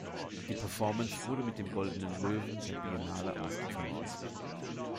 Die Performance wurde mit dem "Goldenen Löwen" der Biennale ausgezeichnet.